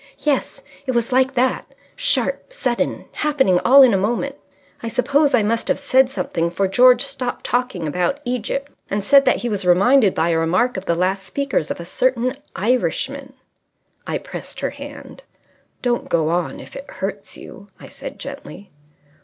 "Yes, it was like that. Sharp sudden happening all in a moment. I suppose I must have said something, for George stopped talking about Egypt and said that he was reminded by a remark of the last speaker's of a certain Irishman " I pressed her hand. "Don't go on if it hurts you," I said, gently.